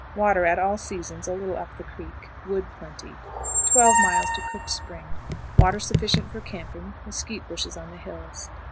Water at all seasons a little up the creek; wood plenty. 12.00. Cook's Spring. Water sufficient for camping; mesquite bushes on the hills.